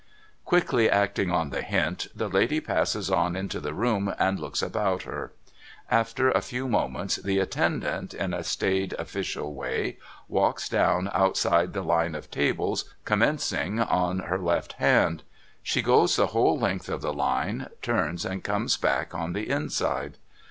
Quickly acting on the hint, the lady passes on into the room, and looks about her. After a few moments, the attendant, in a staid official way, walks down outside the line of tables commencing on her left hand. She goes the whole length of the line, turns, and comes back on the inside.